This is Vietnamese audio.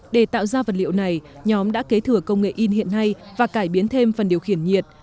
để tạo ra vật liệu này nhóm đã kế thừa công nghệ in hiện nay và cải biến thêm phần điều khiển nhiệt